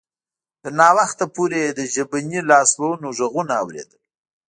تر ناوخته پورې یې د ژبني لاسوهنو غږونه اوریدل